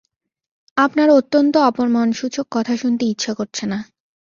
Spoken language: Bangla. আপনার অত্যন্ত অপমানসূচক কথা শুনতে ইচ্ছা করছে না।